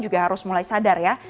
juga harus mulai sadar ya